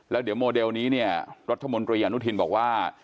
แล้วเดี๋ยวโมเดลนี้เนี่ยรัฐมนตรีอนุทินบอกว่า